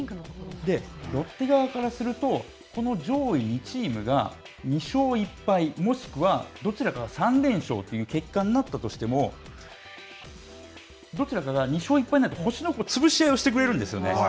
ロッテ側からすると、この上位２チームが２勝１敗、もしくは、どちらかが３連勝という結果になったとしても、どちらかが２勝１敗で星の潰し合いをしてくれるんですよね。